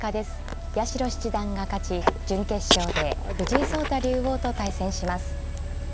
八代七段が勝ち準決勝で藤井聡太竜王と対戦します。